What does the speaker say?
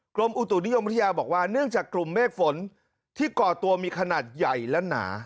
กรมอุตุนิยมวิทยาบอกว่าเนื่องจากกลุ่มเมฆฝนที่ก่อตัวมีขนาดใหญ่และหนา